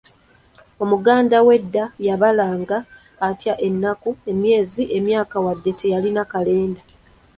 Omuganda w’edda yabalanga atya ennaku, emyezi n’emyaka wadde teyalina kalenda?